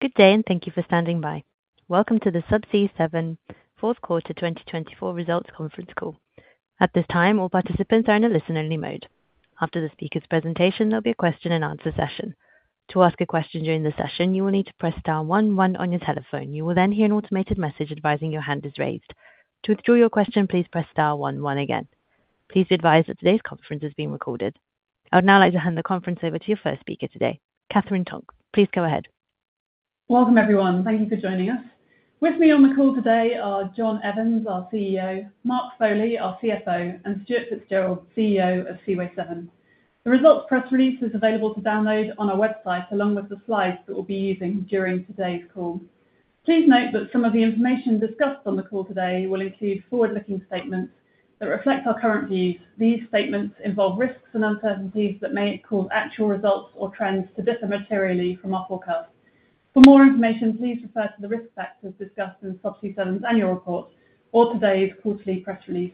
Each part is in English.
Good day and thank you for standing by. Welcome to the Subsea 7, Q4 2024 Results Conference Call. At this time, all participants are in a listen-only mode. After the speaker's presentation, there'll be a question-and-answer session. To ask a question during the session, you will need to press * 11 on your telephone. You will then hear an automated message advising your hand is raised. To withdraw your question, please press * 11 again. Please be advised that today's conference is being recorded. I would now like to hand the conference over to your first speaker today, Katherine Tonks. Please go ahead. Welcome, everyone. Thank you for joining us. With me on the call today are John Evans, our CEO, Mark Foley, our CFO, and Stuart Fitzgerald, CEO of Seaway 7. The results press release is available to download on our website, along with the slides that we'll be using during today's call. Please note that some of the information discussed on the call today will include forward-looking statements that reflect our current views. These statements involve risks and uncertainties that may cause actual results or trends to differ materially from our forecast. For more information, please refer to the risk factors discussed in Subsea 7's annual report or today's quarterly press release.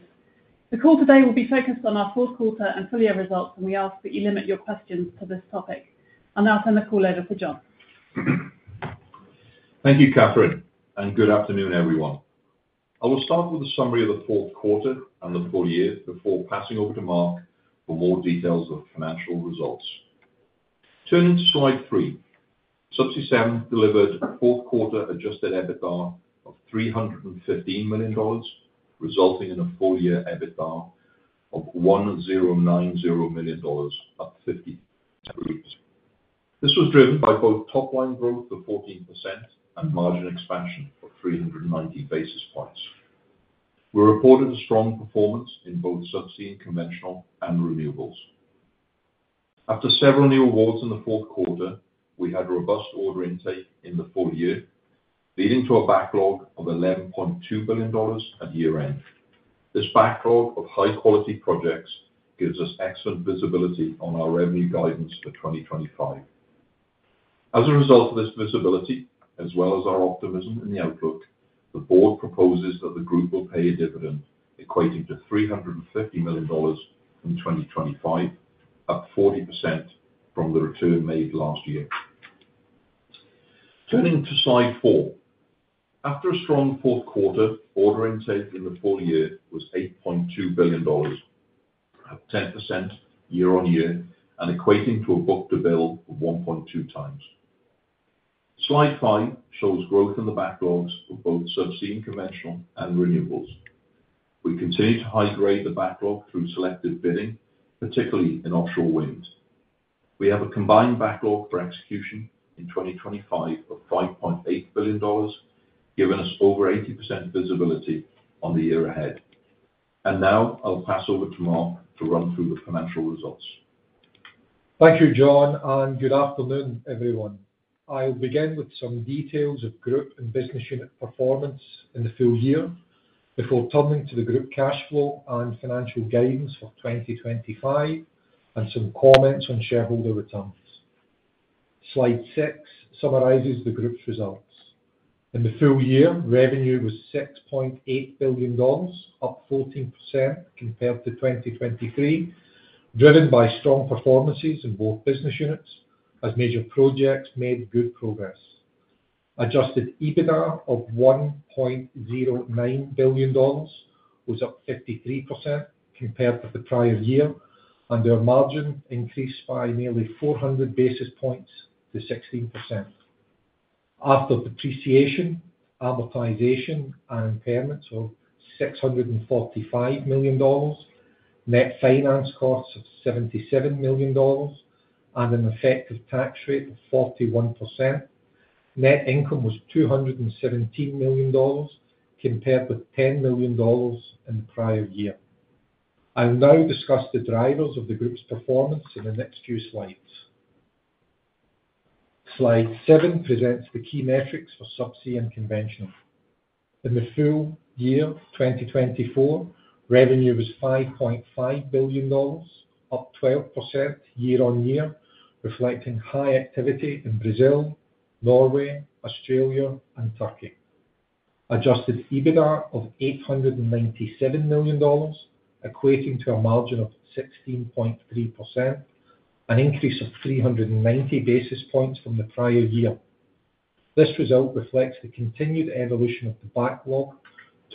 The call today will be focused on our Q4 full-year results, and we ask that you limit your questions to this topic. I'll now turn the call over to John. Thank you, Katherine, and good afternoon, everyone. I will start with a summary of the Q4 and full-year before passing over to Mark for more details of financial results. Turning to slide 3, Subsea 7 delivered a fourth quarter adjusted EBITDA of $315 million, resulting in a full-year EBITDA of $1090 million, up 53%. This was driven by both top-line growth of 14% and margin expansion of 390 basis points. We reported a strong performance in both subsea and conventional and renewables. After several new awards in the Q4, we had robust order intake in the full-year, leading to a backlog of $11.2 billion at year-end. This backlog of high-quality projects gives us excellent visibility on our revenue guidance for 2025. As a result of this visibility, as well as our optimism in the outlook, the board proposes that the group will pay a dividend equating to $350 million in 2025, up 40% from the return made last year. Turning to slide 4, after a strong Q4, order intake in the full-year was $8.2 billion, up 10% year-on-year, and equating to a book-to-bill of 1.2 times. Slide 5 shows growth in the backlogs of both Subsea and Conventional and Renewables. We continue to hydrate the backlog through selective bidding, particularly in offshore wind. We have a combined backlog for execution in 2025 of $5.8 billion, giving us over 80% visibility on the year ahead. And now I'll pass over to Mark to run through the financial results. Thank you, John, and good afternoon, everyone. I'll begin with some details of group and business unit performance in the full-year before turning to the group cash flow and financial guidance for 2025 and some comments on shareholder returns. Slide 6 summarizes the group's results. In the full-year, revenue was $6.8 billion, up 14% compared to 2023, driven by strong performances in both business units as major projects made good progress. Adjusted EBITDA of $1.09 billion was up 53% compared to the prior year, and their margin increased by nearly 400 basis points to 16%. After depreciation, amortization, and impairments of $645 million, net finance costs of $77 million, and an effective tax rate of 41%, net income was $217 million compared with $10 million in the prior year. I'll now discuss the drivers of the group's performance in the next few slides. Slide 7 presents the key metrics for Subsea and Conventional. In the full-year, 2024, revenue was $5.5 billion, up 12% year-on-year, reflecting high activity in Brazil, Norway, Australia, and Turkey. Adjusted EBITDA of $897 million, equating to a margin of 16.3%, an increase of 390 basis points from the prior year. This result reflects the continued evolution of the backlog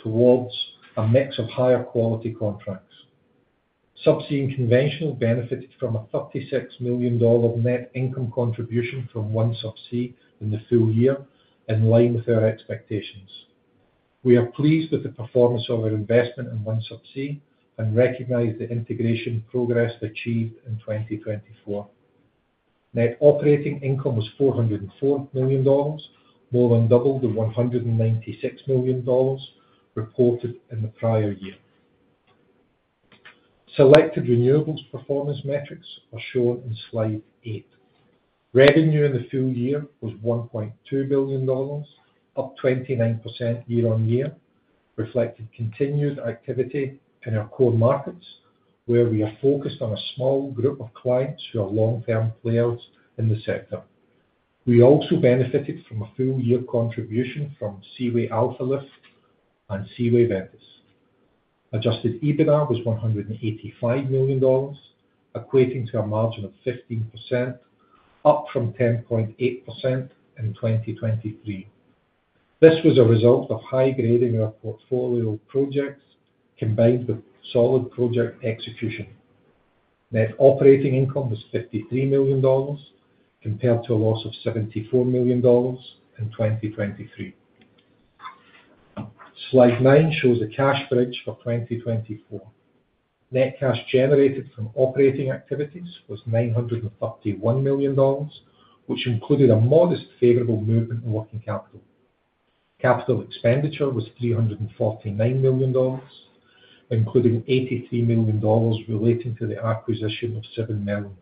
towards a mix of higher quality contracts. Subsea and Conventional benefited from a $36 million net income contribution from OneSubsea in the full-year, in line with our expectations. We are pleased with the performance of our investment in OneSubsea and recognize the integration progress achieved in 2024. Net operating income was $404 million, more than double the $196 million reported in the prior year. Selected renewables performance metrics are shown in slide 8. Revenue in the full-year was $1.2 billion, up 29% year-on-year, reflecting continued activity in our core markets, where we are focused on a small group of clients who are long-term players in the sector. We also benefited from a full-year contribution from Seaway Alfa Lift and Seaway Ventus. Adjusted EBITDA was $185 million, equating to a margin of 15%, up from 10.8% in 2023. This was a result of hydrating our portfolio projects combined with solid project execution. Net operating income was $53 million, compared to a loss of $74 million in 2023. Slide 9 shows a cash bridge for 2024. Net cash generated from operating activities was $931 million, which included a modest favorable movement in working capital. Capital expenditure was $349 million, including $83 million relating to the acquisition of Seven Merlin.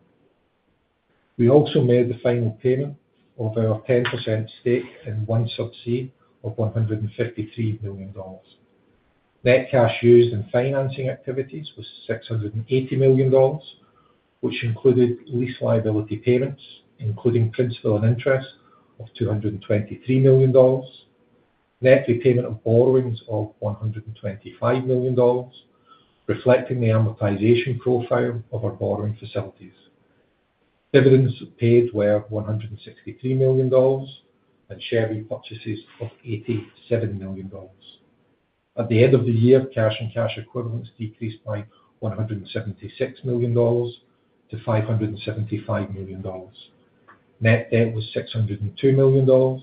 We also made the final payment of our 10% stake in OneSubsea of $153 million. Net cash used in financing activities was $680 million, which included lease liability payments, including principal and interest of $223 million. Net repayment of borrowings of $125 million, reflecting the amortization profile of our borrowing facilities. Dividends paid were $163 million and share repurchases of $87 million. At the end of the year, cash and cash equivalents decreased by $176 to 575 million. Net debt was $602 million,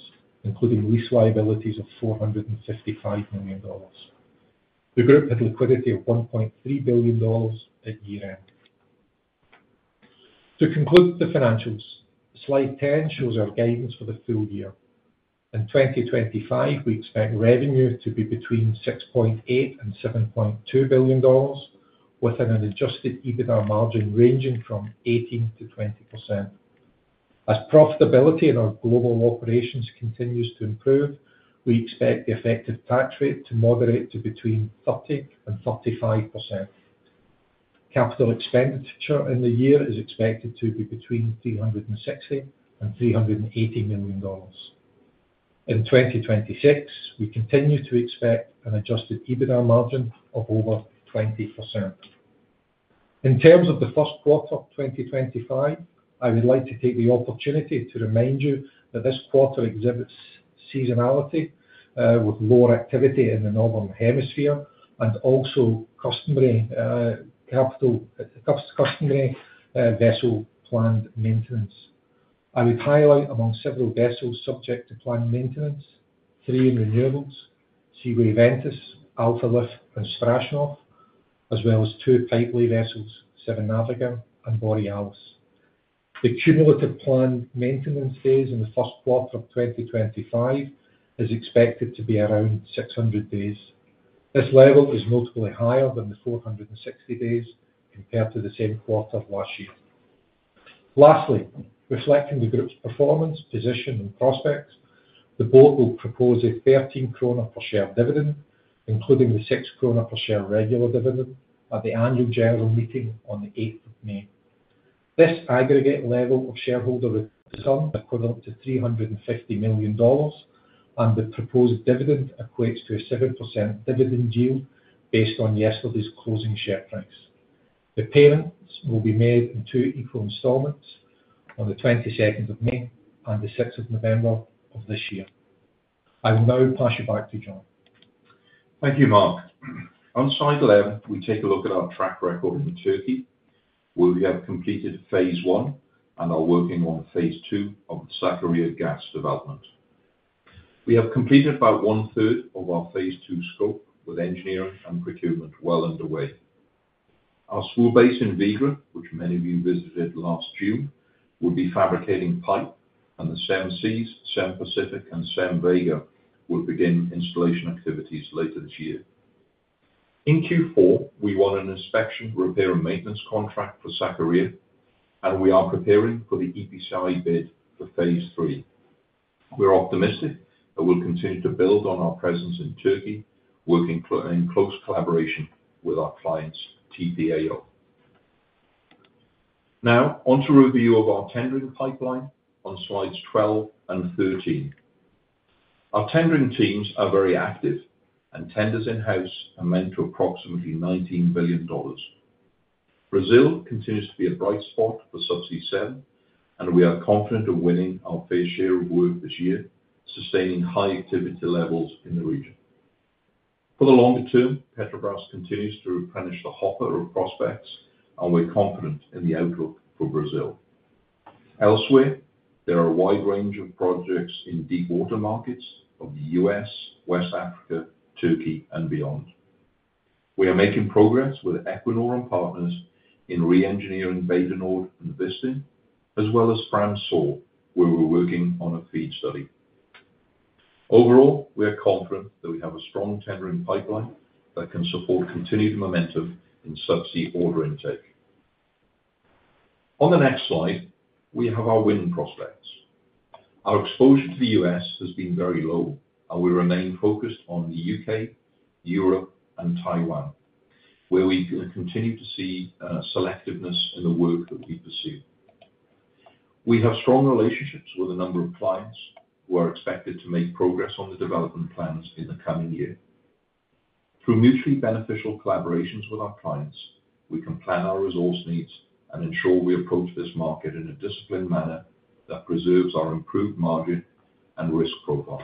including lease liabilities of $455 million. The group had liquidity of $1.3 billion at year-end. To conclude the financials, slide 10 shows our guidance for the full-year. In 2025, we expect revenue to be between $6.8 and 7.2 billion, with an Adjusted EBITDA margin ranging from 18% to 20%. As profitability in our global operations continues to improve, we expect the effective tax rate to moderate to between 30% and 35%. Capital expenditure in the year is expected to be between $360 and 380 million. In 2026, we continue to expect an adjusted EBITDA margin of over 20%. In terms of the Q1 of 2025, I would like to take the opportunity to remind you that this quarter exhibits seasonality, with lower activity in the northern hemisphere and also customary capital -- customary vessel planned maintenance. I would highlight among several vessels subject to planned maintenance, three renewables: Seaway Ventus, Seaway Alfa Lift, and Seaway Strashnov, as well as two pipeline vessels, Seven Navica and Seven Borealis. The cumulative planned maintenance days in the Q1 of 2025 is expected to be around 600 days. This level is notably higher than the 460 days compared to the same quarter of last year. Lastly, reflecting the group's performance, position, and prospects, the board will propose a 13 kroner per share dividend, including the 6 kroner per share regular dividend, at the annual general meeting on the 8th May. This aggregate level of shareholder return is equivalent to $350 million, and the proposed dividend equates to a 7% dividend yield based on yesterday's closing share price. The payments will be made in two equal installments on the 22nd of May and the 6th of November of this year. I will now pass you back to John. Thank you, Mark. On slide 11, we take a look at our track record in Turkey, where we have completed phase I and are working on phase II of the Sakarya gas development. We have completed about one-third of our phase II scope, with engineering and procurement well underway. Our spool base in Vigra, which many of you visited last June, will be fabricating pipe, and the Seven Seas, Seven Pacific, and Seven Vega will begin installation activities later this year. In Q4, we won an inspection, repair, and maintenance contract for Sakarya, and we are preparing for the EPCI bid for phase III. We're optimistic that we'll continue to build on our presence in Turkey, working in close collaboration with our clients, TPAO. Now, onto a review of our tendering pipeline on slides 12 and 13. Our tendering teams are very active, and tenders in-house amount to approximately $19 billion. Brazil continues to be a bright spot for Subsea 7, and we are confident of winning our fair share of work this year, sustaining high activity levels in the region. For the longer term, Petrobras continues to replenish the hopper of prospects, and we're confident in the outlook for Brazil. Elsewhere, there are a wide range of projects in deep water markets of the U.S., West Africa, Turkey, and beyond. We are making progress with Equinor and partners in re-engineering Bay du Nord and Wisting, as well as Fram Sør, where we're working on a FEED study. Overall, we are confident that we have a strong tendering pipeline that can support continued momentum in subsea order intake. On the next slide, we have our winning prospects. Our exposure to the U.S. has been very low, and we remain focused on the U.K., Europe, and Taiwan, where we continue to see selectiveness in the work that we pursue. We have strong relationships with a number of clients who are expected to make progress on the development plans in the coming year. Through mutually beneficial collaborations with our clients, we can plan our resource needs and ensure we approach this market in a disciplined manner that preserves our improved margin and risk profile.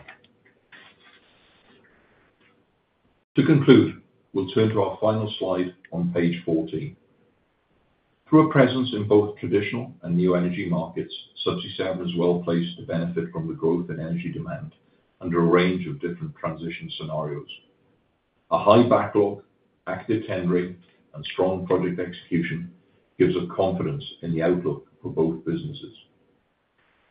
To conclude, we'll turn to our final slide on page 14. Through a presence in both traditional and new energy markets, Subsea 7 is well placed to benefit from the growth in energy demand under a range of different transition scenarios. A high backlog, active tendering, and strong project execution gives us confidence in the outlook for both businesses.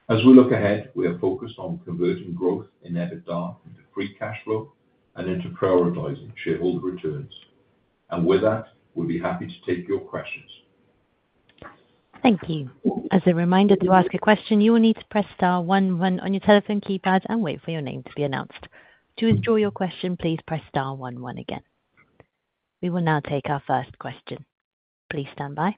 As we look ahead, we are focused on converting growth in EBITDA into free cash flow and into prioritizing shareholder returns. And with that, we'd be happy to take your questions. Thank you. As a reminder, to ask a question, you will need to press * 11 on your telephone keypad and wait for your name to be announced. To withdraw your question, please press * 11 again. We will now take our first question. Please stand by,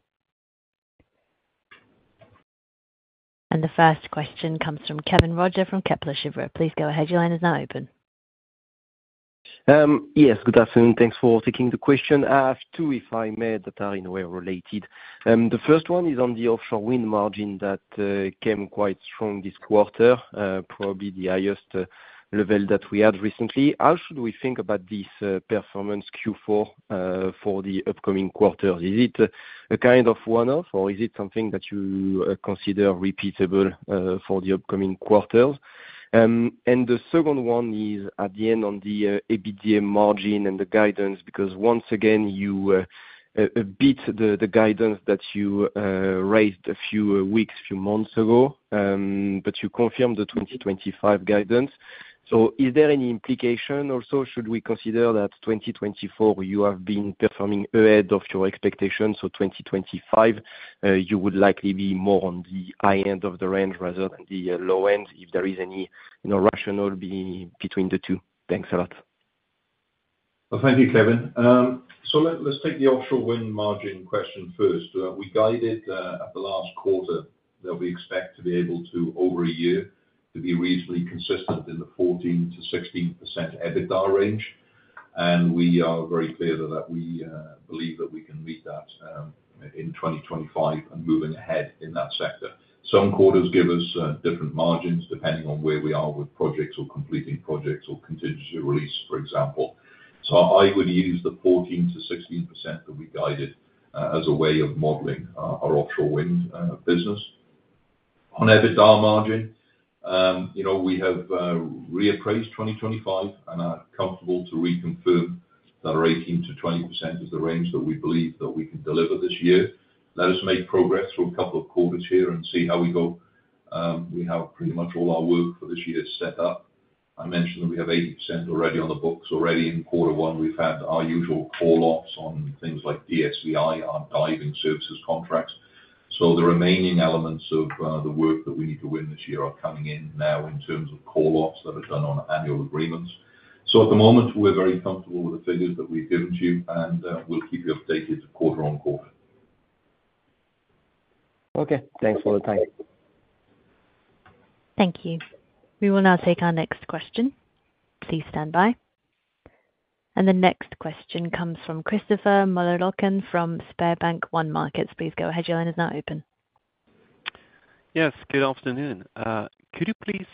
and the first question comes from Kevin Roger from Kepler Cheuvreux. Please go ahead. Your line is now open. Yes, good afternoon. Thanks for taking the question. I have two, if I may, that are in a way related. The first one is on the offshore wind margin that came quite strong this quarter, probably the highest level that we had recently. How should we think about this performance Q4 for the upcoming quarters? Is it a kind of one-off, or is it something that you consider repeatable for the upcoming quarters? And the second one is, at the end, on the EBITDA margin and the guidance, because once again, you beat the guidance that you raised a few weeks, a few months ago, but you confirmed the 2025 guidance. So is there any implication? Also, should we consider that 2024, you have been performing ahead of your expectations? So 2025, you would likely be more on the high end of the range rather than the low end, if there is any rationale between the two? Thanks a lot. Thank you, Kevin. Let's take the offshore wind margin question first. We guided at the last quarter that we expect to be able to, over a year, to be reasonably consistent in the 14%-16% EBITDA range. We are very clear that we believe that we can meet that in 2025 and moving ahead in that sector. Some quarters give us different margins depending on where we are with projects or completing projects or contingency release, for example. I would use the 14%-16% that we guided as a way of modeling our offshore wind business. On EBITDA margin, we have reappraised 2025, and I'm comfortable to reconfirm that 18%-20% is the range that we believe that we can deliver this year. Let us make progress through a couple of quarters here and see how we go. We have pretty much all our work for this year set up. I mentioned that we have 80% already on the books. Already in Q1, we've had our usual call-offs on things like DSV, our diving services contracts. So, the remaining elements of the work that we need to win this year are coming in now in terms of call-offs that are done on annual agreements. So, at the moment, we're very comfortable with the figures that we've given to you, and we'll keep you updated quarter on quarter. Okay. Thanks for the time. Thank you. We will now take our next question. Please stand by, and the next question comes from Christopher Møllerløkken from SpareBank 1 Markets. Please go ahead. Your line is now open. Yes, good afternoon. Could you please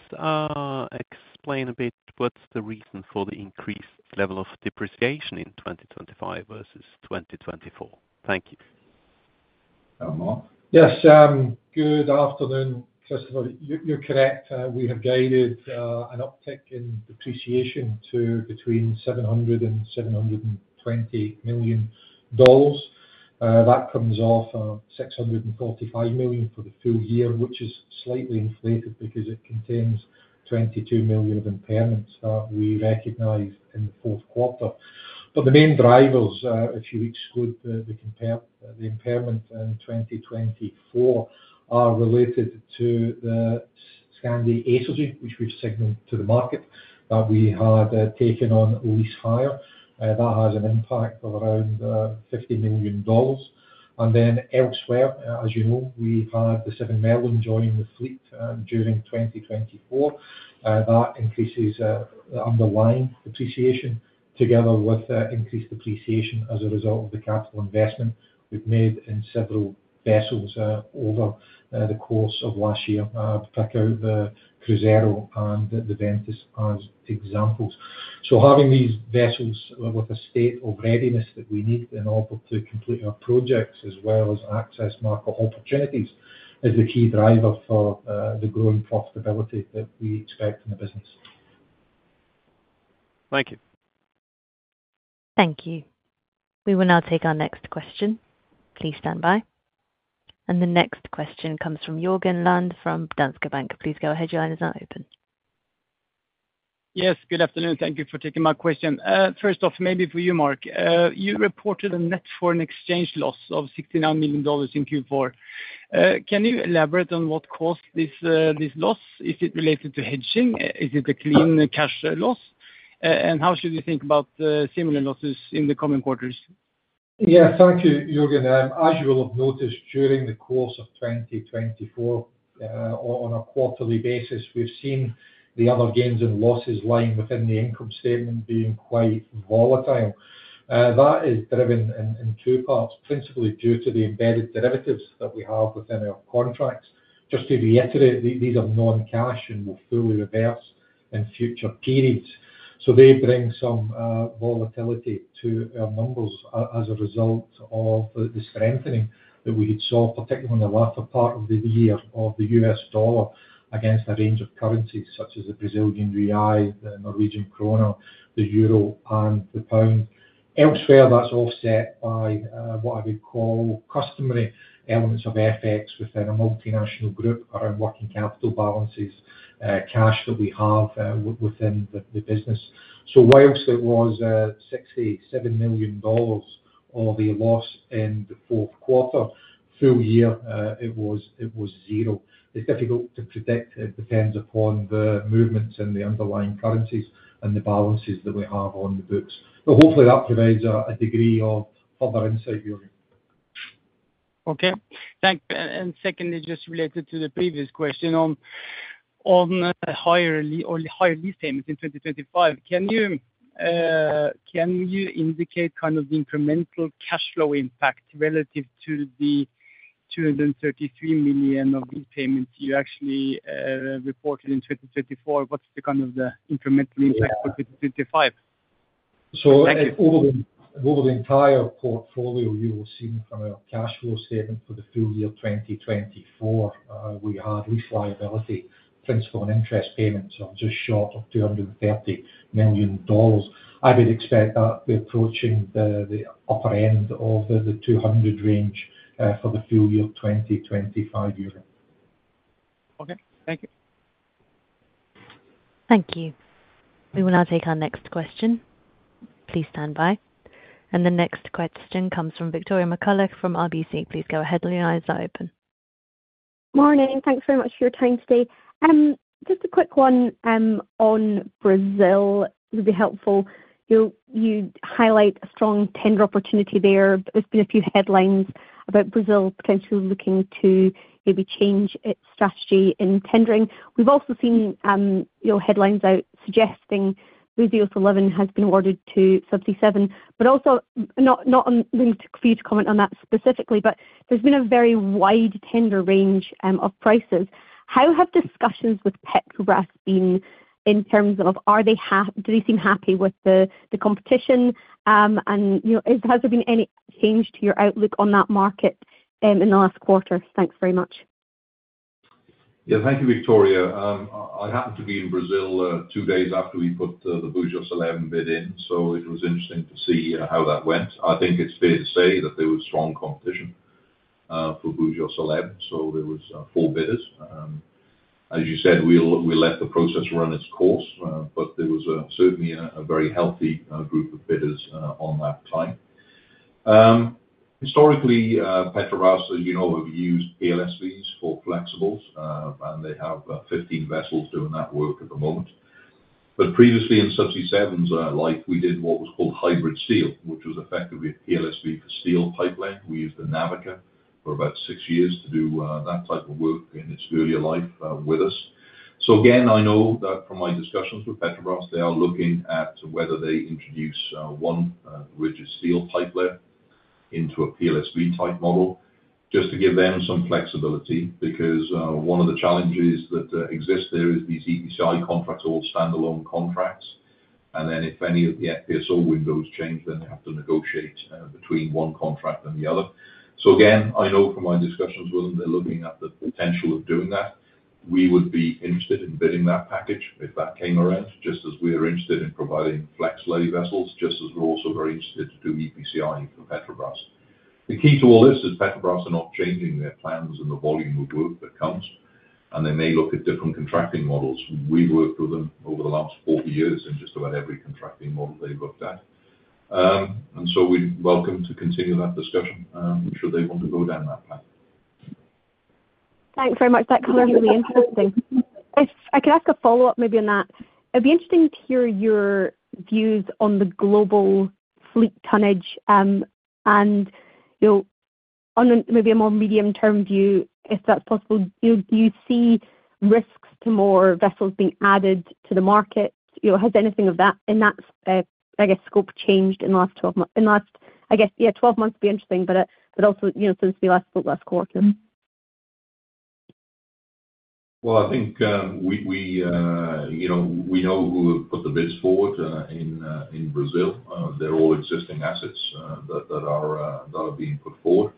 explain a bit what's the reason for the increased level of depreciation in 2025 versus 2024? Thank you. Yes. Good afternoon, Christopher. You're correct. We have guided an uptick in depreciation to between $700 and 720 million. That comes off $645 million for the full-year, which is slightly inflated because it contains $22 million of impairments that we recognized in the Q4, but the main drivers, if you exclude the impairment in 2024, are related to the Skandi Acergy, which we've signaled to the market that we had taken on lease hire. That has an impact of around $50 million, and then elsewhere, as you know, we had the Seven Merlin join the fleet during 2024. That increases the underlying depreciation together with increased depreciation as a result of the capital investment we've made in several vessels over the course of last year, to pick out the Seven Cruzeiro and the Ventus as examples. So having these vessels with a state of readiness that we need in order to complete our projects, as well as access market opportunities, is the key driver for the growing profitability that we expect in the business. Thank you. Thank you. We will now take our next question. Please stand by. And the next question comes from Jørgen Lande from Danske Bank. Please go ahead. Your line is now open. Yes, good afternoon. Thank you for taking my question. First off, maybe for you, Mark. You reported a net foreign exchange loss of $69 million in Q4. Can you elaborate on what caused this loss? Is it related to hedging? Is it a clean cash loss? And how should we think about similar losses in the coming quarters? Yes, thank you, Jørgen. As you will have noticed, during the course of 2024, on a quarterly basis, we've seen the other gains and losses line within the income statement being quite volatile. That is driven in two parts, principally due to the embedded derivatives that we have within our contracts. Just to reiterate, these are non-cash and will fully reverse in future periods. So they bring some volatility to our numbers as a result of the strengthening that we had saw, particularly in the latter part of the year, of the U.S. dollar against a range of currencies such as the Brazilian real, the Norwegian krone, the Euro, and the Pound. Elsewhere, that's offset by what I would call customary elements of FX within a multinational group around working capital balances, cash that we have within the business. While it was $67 million of a loss in the Q4, full-year, it was zero. It's difficult to predict. It depends upon the movements in the underlying currencies and the balances that we have on the books. But hopefully, that provides a degree of other insight, Jørgen. Okay. Thank you. And secondly, just related to the previous question on higher lease payments in 2025, can you indicate kind of the incremental cash flow impact relative to the $233 million of lease payments you actually reported in 2024? What's the kind of the incremental impact for 2025? Over the entire portfolio you will see from our cash flow statement for the full-year 2024, we had lease liability, principal and interest payments, so just short of $230 million. I would expect that we're approaching the upper end of the 200 range for the full-year 2025. Okay. Thank you. Thank you. We will now take our next question. Please stand by. And the next question comes from Victoria McCulloch from RBC. Please go ahead. Your line is now open. Morning. Thanks very much for your time today. Just a quick one on Brazil would be helpful. You highlight a strong tender opportunity there. There's been a few headlines about Brazil potentially looking to maybe change its strategy in tendering. We've also seen headlines out suggesting Búzios has been awarded to Subsea 7. But also, not for you to comment on that specifically, but there's been a very wide tender range of prices. How have discussions with Petrobras been in terms of do they seem happy with the competition? And has there been any change to your outlook on that market in the last quarter? Thanks very much. Yeah, thank you, Victoria. I happened to be in Brazil two days after we put the Búzios 11 bid in, so it was interesting to see how that went. I think it's fair to say that there was strong competition for Búzios 11, so there were 4 bidders. As you said, we let the process run its course, but there was certainly a very healthy group of bidders on that time. Historically, Petrobras, as you know, have used PLSVs for flexibles, and they have 15 vessels doing that work at the moment. But previously in Subsea 7's, we did what was called hybrid steel, which was effectively a PLSV for steel pipeline. We used the Seven Navica for about six years to do that type of work in its earlier life with us. So again, I know that from my discussions with Petrobras, they are looking at whether they introduce one rigid steel pipeline into a PLSV type model just to give them some flexibility because one of the challenges that exists there is these EPCI contracts are all standalone contracts, and then if any of the FPSO windows change, then they have to negotiate between one contract and the other. So again, I know from my discussions with them they're looking at the potential of doing that. We would be interested in bidding that package if that came around, just as we are interested in providing flex lay vessels, just as we're also very interested to do EPCI for Petrobras. The key to all this is Petrobras are not changing their plans and the volume of work that comes, and they may look at different contracting models. We've worked with them over the last 40 years in just about every contracting model they've looked at. And so we welcome to continue that discussion. I'm sure they want to go down that path. Thanks very much. That covered everything. I could ask a follow-up maybe on that. It'd be interesting to hear your views on the global fleet tonnage, and on maybe a more medium-term view, if that's possible, do you see risks to more vessels being added to the market? Has anything in that, I guess, scope changed in the last 12 months? I guess, yeah, 12 months would be interesting, but also since we last spoke last quarter. I think we know who have put the bids forward in Brazil. They're all existing assets that are being put forward.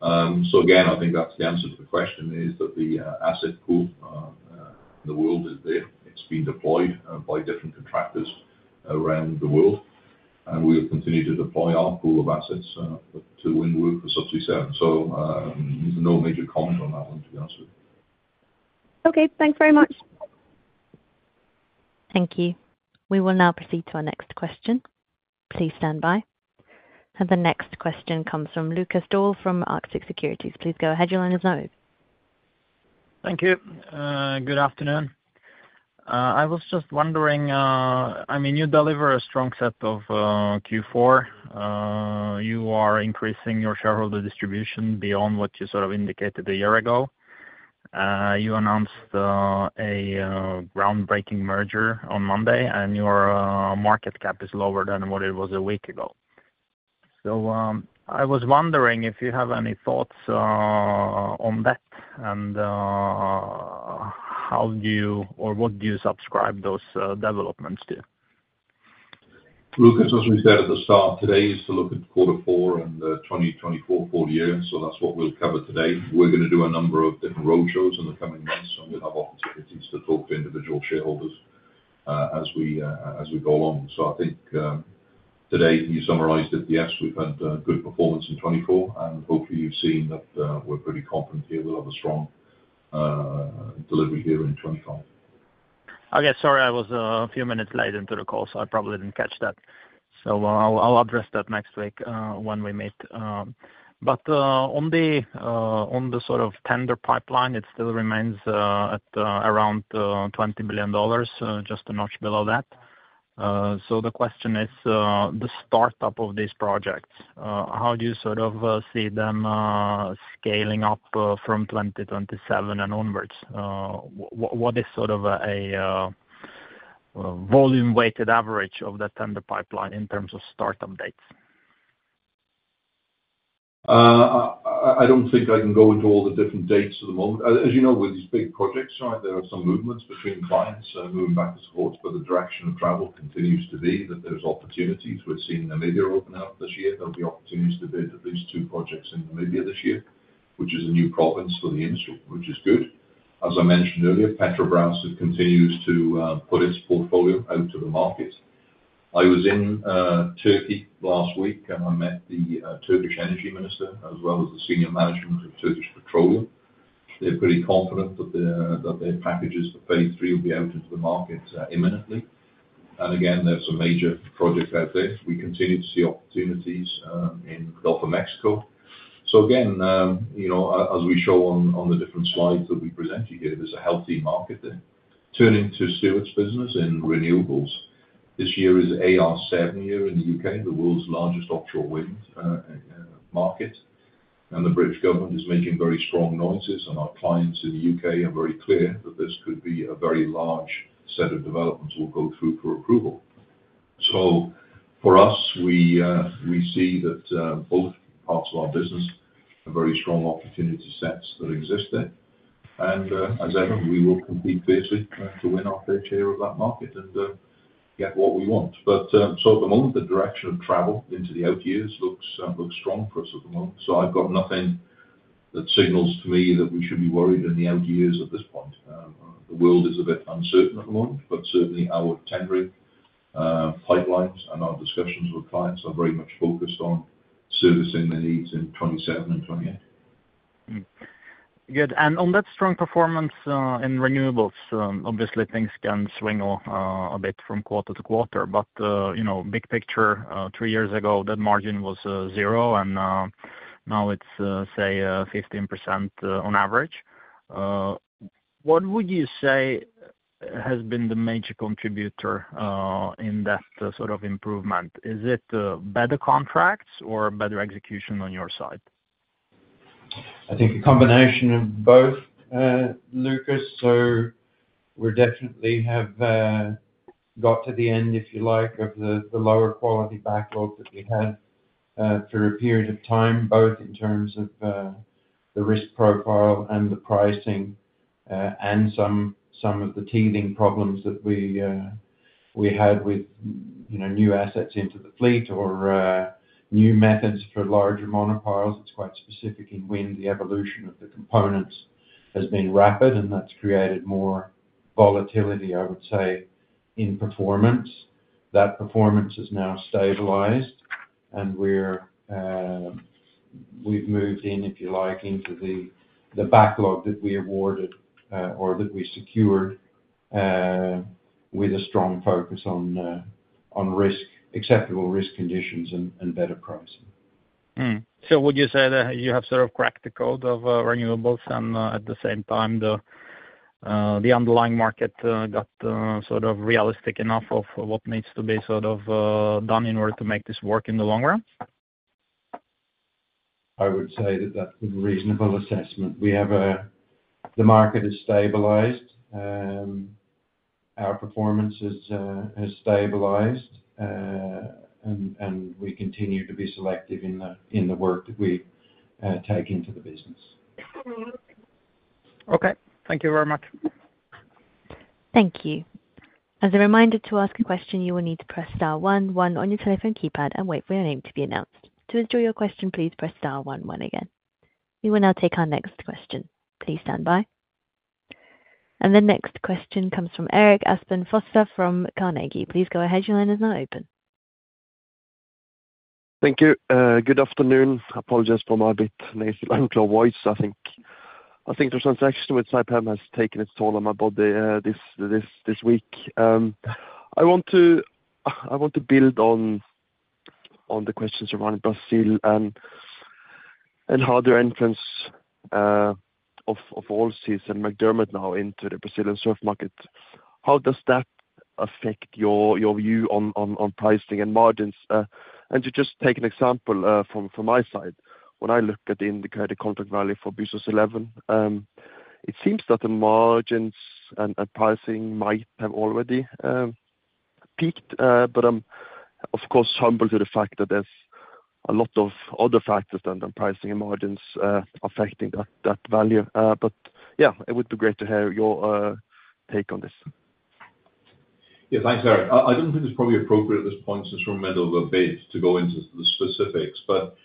So again, I think that's the answer to the question is that the asset pool in the world is there. It's been deployed by different contractors around the world, and we will continue to deploy our pool of assets to win work for Subsea 7. So there's no major comment on that one, to be honest with you. Okay. Thanks very much. Thank you. We will now proceed to our next question. Please stand by, and the next question comes from Lukas Daul from Arctic Securities. Please go ahead. Your line is now open. Thank you. Good afternoon. I was just wondering, I mean, you deliver a strong set of Q4. You are increasing your shareholder distribution beyond what you sort of indicated a year ago. You announced a groundbreaking merger on Monday, and your market cap is lower than what it was a week ago. So, I was wondering if you have any thoughts on that and how do you or what do you subscribe those developments to? Lukas, as we said at the start today, is to look at Q4 and the 2024 full-year. So that's what we'll cover today. We're going to do a number of different roadshows in the coming months, and we'll have opportunities to talk to individual shareholders as we go along. So I think today, you summarized it. Yes, we've had good performance in 2024, and hopefully, you've seen that we're pretty confident here we'll have a strong delivery here in 2025. Okay. Sorry, I was a few minutes late into the call, so I probably didn't catch that. So I'll address that next week when we meet. But on the sort of tender pipeline, it still remains at around $20 million, just a notch below that. So the question is the startup of these projects. How do you sort of see them scaling up from 2027 and onwards? What is sort of a volume-weighted average of that tender pipeline in terms of startup dates? I don't think I can go into all the different dates at the moment. As you know, with these big projects, there are some movements between clients moving back and forth, but the direction of travel continues to be that there's opportunities. We've seen Namibia open up this year. There'll be opportunities to bid at least two projects in Namibia this year, which is a new province for the industry, which is good. As I mentioned earlier, Petrobras continues to put its portfolio out to the market. I was in Turkey last week, and I met the Turkish Energy Minister as well as the senior management of Turkish Petroleum. They're pretty confident that their packages for phase III will be out into the market imminently, and again, there's some major projects out there. We continue to see opportunities in Gulf of Mexico. So again, as we show on the different slides that we present you here, there's a healthy market there. Turning to Stuart's business in renewables, this year is AR7 year in the U.K., the world's largest offshore wind market, and the British government is making very strong noises, and our clients in the U.K. are very clear that this could be a very large set of developments we'll go through for approval, so for us, we see that both parts of our business are very strong opportunity sets that exist there, and as ever, we will compete fiercely to win our fair share of that market and get what we want, but so at the moment, the direction of travel into the out years looks strong for us at the moment. So I've got nothing that signals to me that we should be worried in the out years at this point. The world is a bit uncertain at the moment, but certainly our tendering pipelines and our discussions with clients are very much focused on servicing the needs in 2027 and 2028. Good. And on that strong performance in renewables, obviously, things can swing a bit from quarter to quarter. But big picture, three years ago, that margin was zero, and now it's, say, 15% on average. What would you say has been the major contributor in that sort of improvement? Is it better contracts or better execution on your side? I think a combination of both, Lukas. So we definitely have got to the end, if you like, of the lower quality backlog that we had for a period of time, both in terms of the risk profile and the pricing and some of the teething problems that we had with new assets into the fleet or new methods for larger monopiles. It's quite specific in wind. The evolution of the components has been rapid, and that's created more volatility, I would say, in performance. That performance has now stabilized, and we've moved in, if you like, into the backlog that we awarded or that we secured with a strong focus on acceptable risk conditions and better pricing. So would you say that you have sort of cracked the code of renewables and at the same time the underlying market got sort of realistic enough of what needs to be sort of done in order to make this work in the long run? I would say that that's a reasonable assessment. The market has stabilized. Our performance has stabilized, and we continue to be selective in the work that we take into the business. Okay. Thank you very much. Thank you. As a reminder to ask a question, you will need to press * 11 on your telephone keypad, and wait for your name to be announced. To withdraw your question, please press * 11 again. We will now take our next question. Please stand by. And the next question comes from Erik Aspen Fosså from Carnegie. Please go ahead. Your line is now open. Thank you. Good afternoon. I apologize for my a bit nasal and unclear voice. I think the transaction with Saipem has taken its toll on my body this week. I want to build on the questions around Brazil and how the entrance of Allseas and McDermott now into the Brazilian SURF market. How does that affect your view on pricing and margins? And to just take an example from my side, when I look at the indicated contract value for Búzios 11, it seems that the margins and pricing might have already peaked. But I'm, of course, humbled to the fact that there's a lot of other factors than pricing and margins affecting that value. But yeah, it would be great to hear your take on this. Yeah, thanks, Eric. I don't think it's probably appropriate at this point to sort of meddle with bids to go into the specifics. But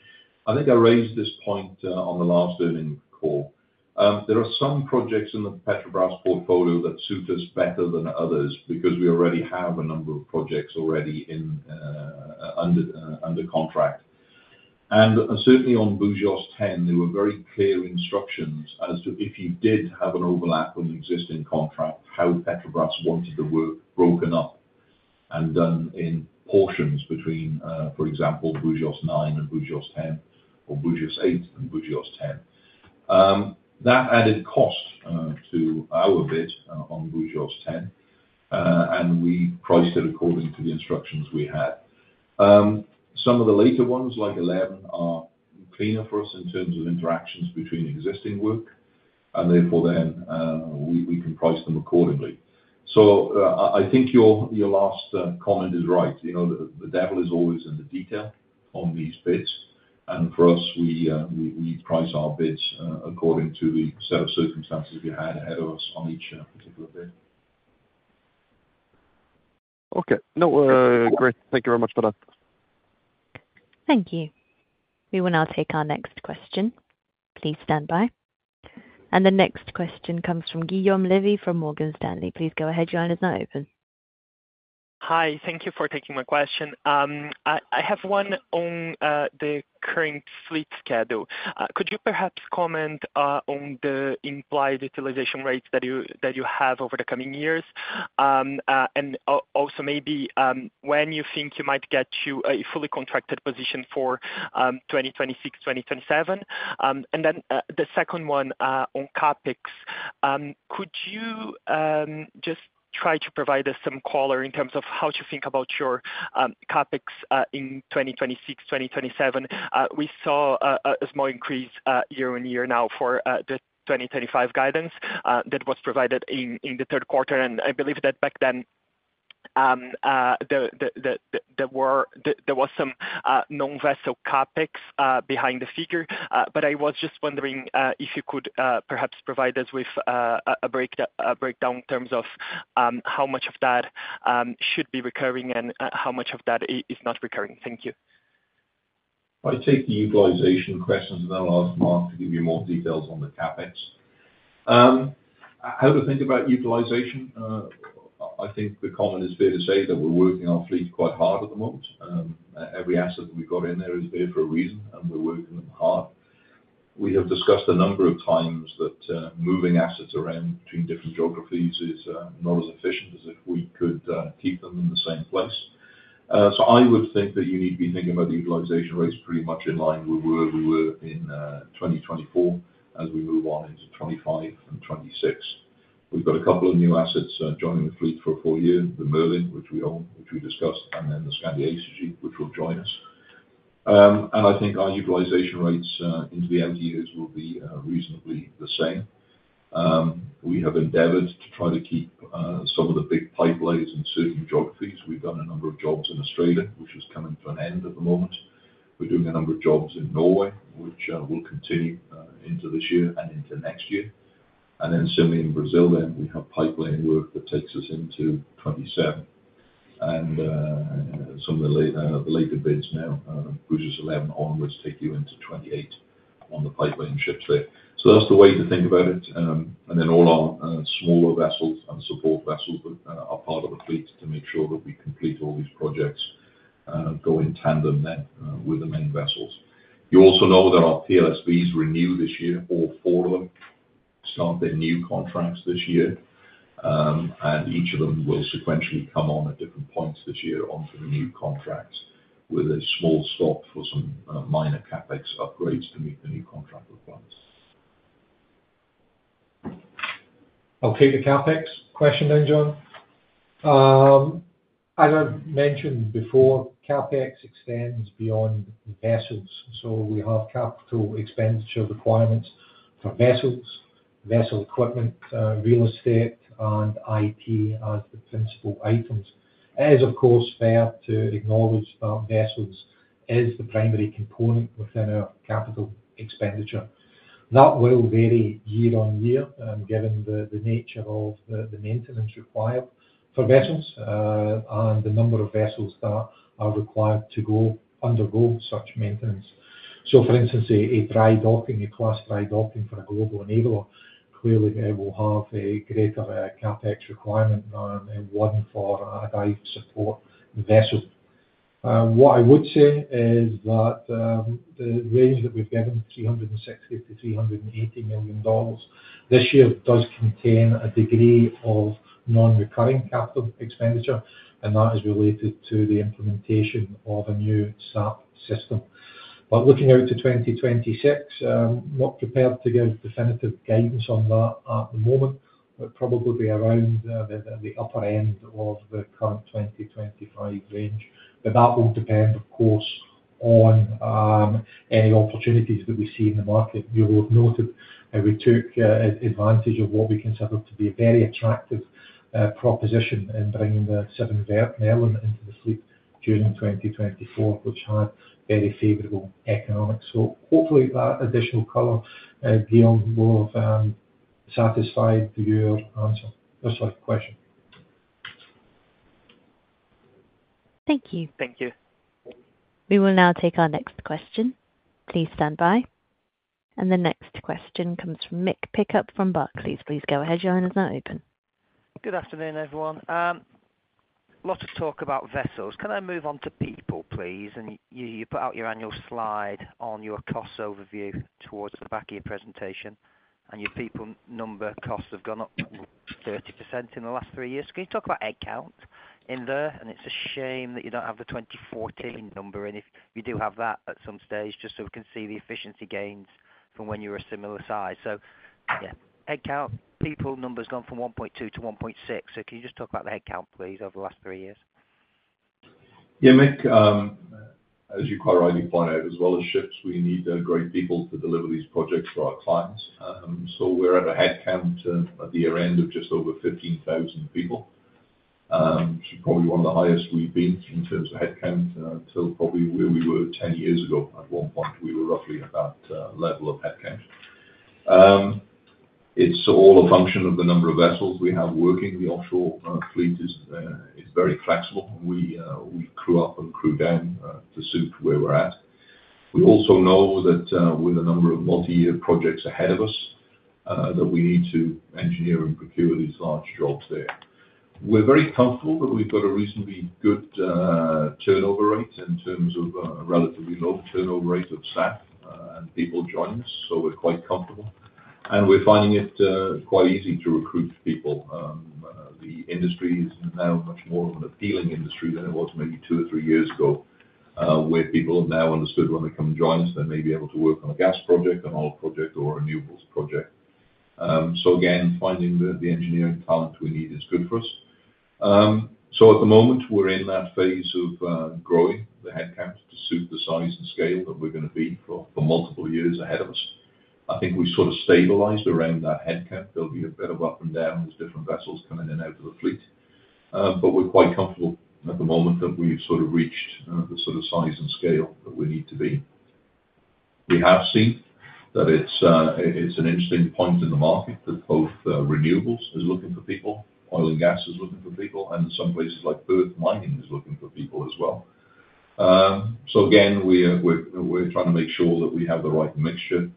I think I raised this point on the last earnings call. There are some projects in the Petrobras portfolio that suit us better than others because we already have a number of projects already under contract. And certainly on Búzios 10, there were very clear instructions as to if you did have an overlap on the existing contract, how Petrobras wanted the work broken up and done in portions between, for example, Búzios 9 and Búzios 10 or Búzios 8 and Búzios 10. That added cost to our bid on Búzios 10, and we priced it according to the instructions we had. Some of the later ones, like 11, are cleaner for us in terms of interactions between existing work, and therefore then we can price them accordingly. So I think your last comment is right. The devil is always in the detail on these bids, and for us, we price our bids according to the set of circumstances we had ahead of us on each particular bid. Okay. No, great. Thank you very much for that. Thank you. We will now take our next question. Please stand by, and the next question comes from Guilherme Levy from Morgan Stanley. Please go ahead. Your line is now open. Hi. Thank you for taking my question. I have one on the current fleet schedule. Could you perhaps comment on the implied utilization rates that you have over the coming years? And also maybe when you think you might get to a fully contracted position for 2026, 2027? And then the second one on CapEx, could you just try to provide us some color in terms of how to think about your CapEx in 2026, 2027? We saw a small increase year on year now for the 2025 guidance that was provided in the Q3. And I believe that back then there was some non-vessel CapEx behind the figure. But I was just wondering if you could perhaps provide us with a breakdown in terms of how much of that should be recurring and how much of that is not recurring. Thank you. I take the utilization questions in the last month to give you more details on the CapEx. How to think about utilization? I think the comment is fair to say that we're working our fleet quite hard at the moment. Every asset we've got in there is there for a reason, and we're working them hard. We have discussed a number of times that moving assets around between different geographies is not as efficient as if we could keep them in the same place. So I would think that you need to be thinking about the utilization rates pretty much in line with where we were in 2024 as we move on into 2025 and 2026. We've got a couple of new assets joining the fleet for a full-year, the Merlin, which we own, which we discussed, and then the Skandi Acergy, which will join us. I think our utilization rates into the out years will be reasonably the same. We have endeavored to try to keep some of the big pipelines in certain geographies. We've done a number of jobs in Australia, which is coming to an end at the moment. We're doing a number of jobs in Norway, which will continue into this year and into next year. Then similarly in Brazil, we have pipeline work that takes us into 2027. Some of the later bids now, Búzios 11 onwards, take you into 2028 on the pipeline ships there. That's the way to think about it. All our smaller vessels and support vessels that are part of the fleet to make sure that we complete all these projects go in tandem then with the main vessels. You also know that our PLSVs renew this year, all four of them start their new contracts this year. And each of them will sequentially come on at different points this year onto the new contracts with a small stop for some minor CapEx upgrades to meet the new contract requirements. I'll take the CapEx question then, John. As I've mentioned before, CapEx extends beyond vessels. So we have capital expenditure requirements for vessels, vessel equipment, real estate, and IT as the principal items. It is, of course, fair to acknowledge that vessels is the primary component within our capital expenditure. That will vary year on year given the nature of the maintenance required for vessels and the number of vessels that are required to undergo such maintenance. So for instance, a dry docking, a class dry docking for a global enabler, clearly it will have a greater CapEx requirement than it wouldn't for a dive support vessel. What I would say is that the range that we've given, $360 to 380 million, this year does contain a degree of non-recurring capital expenditure, and that is related to the implementation of a new SAP system. But looking out to 2026, I'm not prepared to give definitive guidance on that at the moment. It'll probably be around the upper end of the current 2025 range. But that will depend, of course, on any opportunities that we see in the market. You will have noted how we took advantage of what we consider to be a very attractive proposition in bringing the Seven Merlin into the fleet during 2024, which had very favorable economics. So hopefully that additional color, Guilherme, will have satisfied your answer or sorry, question. Thank you. Thank you. We will now take our next question. Please stand by, and the next question comes from Mick Pickup from Barclays. Please go ahead. Your line is now open. Good afternoon, everyone. Lots of talk about vessels. Can I move on to people, please? And you put out your annual slide on your cost overview towards the back of your presentation, and your people number costs have gone up 30% in the last three years. Can you talk about headcount in there? And it's a shame that you don't have the 2014 number in it. You do have that at some stage just so we can see the efficiency gains from when you were a similar size. So yeah, headcount, people numbers gone from 1.2 to 1.6. So can you just talk about the headcount, please, over the last three years? Yeah, Mick, as you quite rightly point out, as well as ships, we need great people to deliver these projects for our clients. So we're at a headcount at the year-end of just over 15,000 people, which is probably one of the highest we've been in terms of headcount until probably where we were 10 years ago. At one point, we were roughly in that level of headcount. It's all a function of the number of vessels we have working. The offshore fleet is very flexible, and we crew up and crew down to suit where we're at. We also know that with a number of multi-year projects ahead of us, that we need to engineer and procure these large jobs there. We're very comfortable that we've got a reasonably good turnover rate in terms of a relatively low turnover rate of staff and people joining us. We're quite comfortable. We're finding it quite easy to recruit people. The industry is now much more of an appealing industry than it was maybe two or three years ago, where people have now understood when they come and join us, they may be able to work on a gas project, an oil project, or a renewables project. Again, finding the engineering talent we need is good for us. At the moment, we're in that phase of growing the headcount to suit the size and scale that we're going to be for multiple years ahead of us. I think we've sort of stabilized around that headcount. There'll be a bit of up and down with different vessels coming in and out of the fleet. But we're quite comfortable at the moment that we've sort of reached the sort of size and scale that we need to be. We have seen that it's an interesting point in the market that both renewables are looking for people, oil and gas is looking for people, and in some places like mining is looking for people as well. So again, we're trying to make sure that we have the right mixture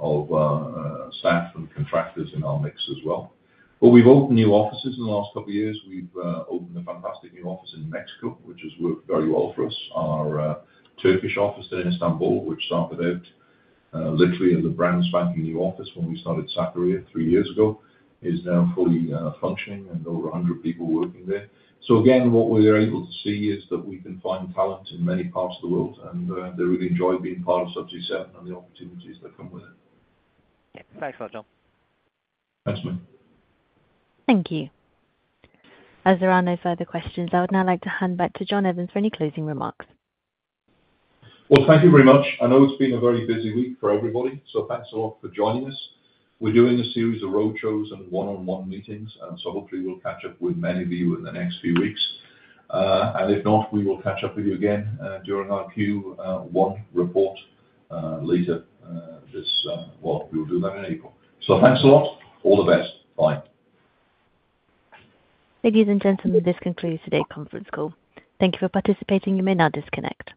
of staff and contractors in our mix as well. But we've opened new offices in the last couple of years. We've opened a fantastic new office in Mexico, which has worked very well for us. Our Turkish office there in Istanbul, which started out literally as a brand-spanking new office when we started Sakarya three years ago, is now fully functioning and over 100 people working there. Again, what we're able to see is that we can find talent in many parts of the world, and they really enjoy being part of Subsea 7 and the opportunities that come with it. Thanks a lot, John. Thanks, Mick. Thank you. As there are no further questions, I would now like to hand back to John Evans for any closing remarks. Thank you very much. I know it's been a very busy week for everybody, so thanks a lot for joining us. We're doing a series of roadshows and one-on-one meetings, and so hopefully we'll catch up with many of you in the next few weeks. If not, we will catch up with you again during our Q1 report later this year. We will do that in April. Thanks a lot. All the best. Bye. Ladies and gentlemen, this concludes today's conference call. Thank you for participating. You may now disconnect.